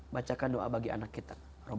bacakan doa bagi anak kita